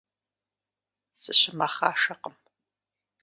Сыщымэхъашэкъым.